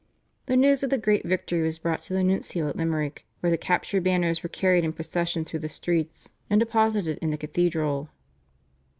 The news of the great victory was brought to the nuncio at Limerick, where the captured banners were carried in procession through the streets and deposited in the cathedral.